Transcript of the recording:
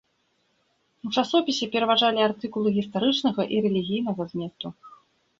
У часопісе пераважалі артыкулы гістарычнага і рэлігійнага зместу.